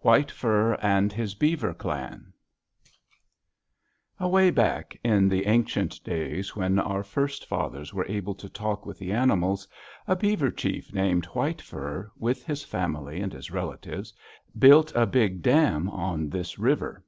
WHITE FUR AND HIS BEAVER CLAN "Away back in the ancient days, when our first fathers were able to talk with the animals, a beaver chief named White Fur, with his family and his relatives, built a big dam on this river.